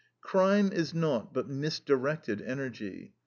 Crime is naught but misdirected energy.